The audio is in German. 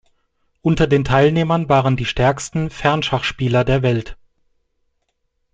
Unter den Teilnehmern waren die stärksten Fernschachspieler der Welt.